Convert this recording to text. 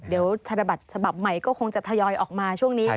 เดี๋ยวธนบัตรฉบับใหม่ก็คงจะทยอยออกมาช่วงนี้